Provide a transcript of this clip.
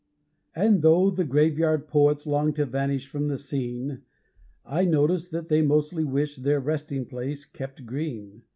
And though the graveyard poets long to vanish from the scene, I notice that they mostly wish their resting place kept green.